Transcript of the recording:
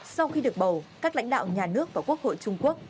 sau khi được bầu các lãnh đạo nhà nước và quốc hội trung quốc